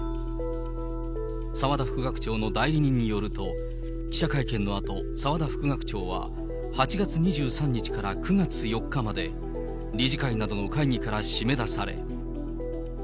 澤田副学長の代理人によると、記者会見のあと、澤田副学長は８月２３日から９月４日まで、理事会などの会議から締め出され。